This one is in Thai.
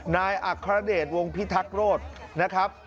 นายอัครเดชวงพิทักษ์โรธนะครับ